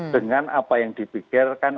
dengan apa yang dipikirkan